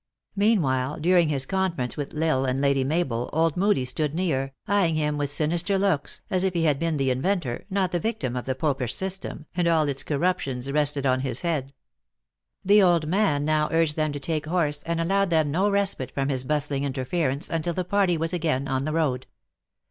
Mean while, during his conference with L Isle and Lady 152 THE ACTRESS IN HIGH LIFE. Mabel, old Moodie stood near, eyeing him with sinis ter looks, as if he had been the inventor, not the vic tim, of the popish system, and all its corruptions rest ed on his head. The old man now urged them to take horse, and allowed them no respite from his bustling interference until the party was again on the road.